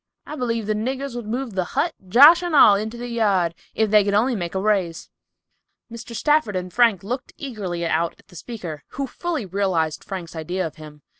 I b'lieve the niggers would move the hut, Josh and all, into the yard, if they could only make a raise!" Mr. Stafford and Frank looked eagerly out at the speaker, who fully realized Frank's idea of him.